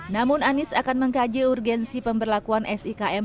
namun anies akan mengkaji urgensi pemberlakuan sikm